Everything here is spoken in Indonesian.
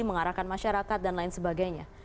mengarahkan masyarakat dan lain sebagainya